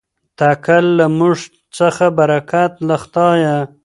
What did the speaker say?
تکل له موږ څخه برکت له خدایه.